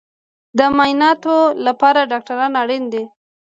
د معایناتو لپاره ډاکټر اړین دی